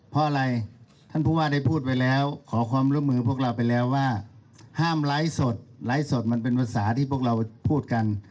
เพราะอะไรท่านผู้ว่าได้พูดไปแล้วขอความร่วมมือพวกเราไปแล้วว่าห้ามไลฟ์สดไลฟ์สดมันเป็นภาษาที่พวกเราพูดกัน